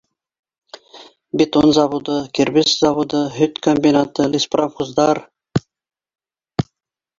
Бетон заводы, кир бес заводы, һөт комбинаты, леспромхоздар